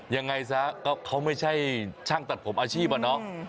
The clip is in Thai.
ยังไงซะก็เขาไม่ใช่ช่างตัดผมอาชีพอะเนาะ